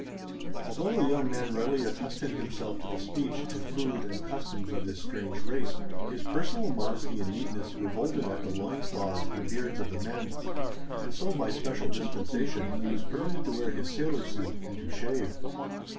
Although the young man readily accustomed himself to the speech and food and customs of this strange race, his personal modesty and neatness revolted at the loin cloths and beards of the men; and so, by special dispensation, he was permitted to wear his sailor suit and to shave.